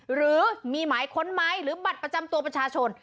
หรือมีหมายค้นไหมหรือบัตรประจำตัวประชาชน